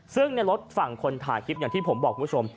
ซึ่งในรถฝั่งคนถ่ายคลิปอย่างที่ผมบอกคุณผู้ชม